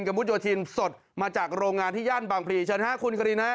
กับพุทธโยธีนสดมาจากโรงงานที่ย่านบางภรีเชิญฮะคุณกรีนฮะ